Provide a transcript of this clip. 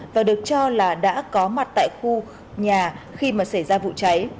và được cho là đã có mặt tại khu nhà khi mà xảy ra vụ cháy